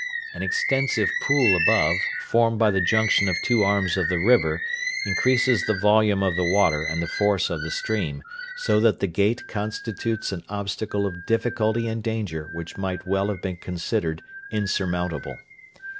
An extensive pool above, formed by the junction of two arms of the river, increases the volume of the water and the force of the stream, so that the 'Gate' constitutes an obstacle of difficulty and danger which might well have been considered insurmountable.